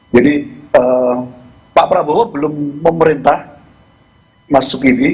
jadi pak prabowo belum memerintah mas sukidi